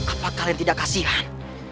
apakah kalian tidak kasihan